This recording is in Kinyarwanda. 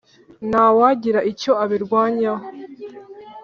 Nta wagira icyo abirwanyaho